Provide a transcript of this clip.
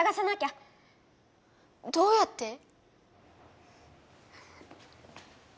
どうやって？